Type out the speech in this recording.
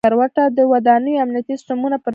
• د ودانیو امنیتي سیستمونه پرمختللي شول.